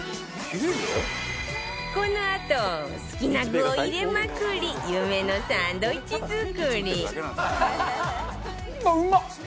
このあと好きな具を入れまくり夢のサンドイッチ作り